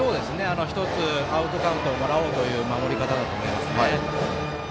１つアウトカウントをとろうという守り方だと思いますね。